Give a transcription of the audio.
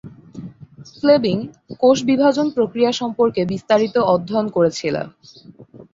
Fleming কোষ বিভাজন প্রক্রিয়া সম্পর্কে বিস্তারিত অধ্যয়ন করেছিলেন।